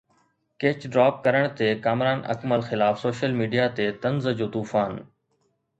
Kech drop ڪرڻ تي ڪامران اڪمل خلاف سوشل ميڊيا تي طنز جو طوفان